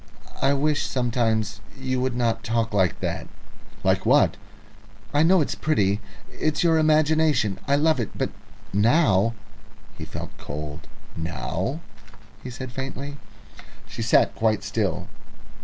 "I wish sometimes you would not talk like that." "Like what?" "I know it's pretty it's your imagination. I love it, but now " He felt cold. "Now?" he said faintly. She sat quite still.